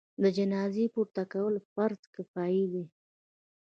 د جنازې پورته کول فرض کفایي دی.